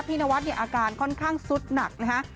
นวัดเนี่ยอาการค่อนข้างสุดหนักนะฮะ